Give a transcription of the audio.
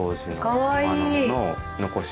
かわいい！